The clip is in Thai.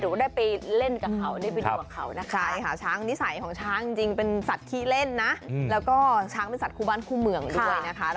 หรือได้ไปเล่นกับเขาได้ไปดูกับเขานะคะ